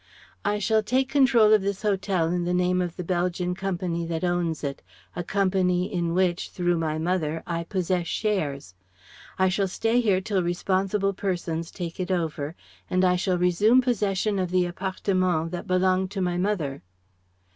"I shall take control of this hotel in the name of the Belgian Company that owns it, a Company in which, through my mother, I possess shares. I shall stay here till responsible persons take it over and I shall resume possession of the appartement that belonged to my mother."